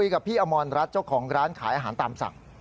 กับพี่อมรรัฐเจ้าของร้านขายอาหารตามสั่ง